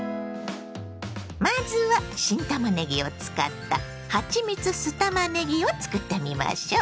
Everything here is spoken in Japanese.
まずは新たまねぎを使った「はちみつ酢たまねぎ」を作ってみましょ。